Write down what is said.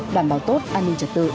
đảm bảo tốt an ninh trật tự